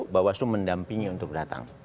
bawaslu mendampingi untuk datang